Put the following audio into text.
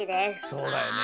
そうだよね。